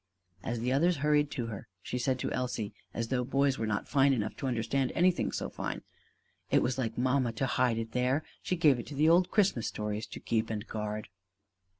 As the others hurried to her, she said to Elsie, as though boys were not fine enough to understand anything so fine: "It was like mamma to hide the key there! She gave it to the old Christmas stories to keep and guard!"